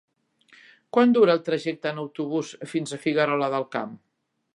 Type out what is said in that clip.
Quant dura el trajecte en autobús fins a Figuerola del Camp?